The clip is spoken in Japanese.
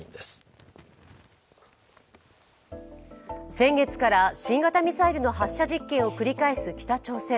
先月から新型ミサイルの発射実験を繰り返す北朝鮮。